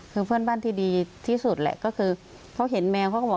คือเพื่อนบ้านที่ดีที่สุดแหละก็คือเขาเห็นแมวเขาก็บอก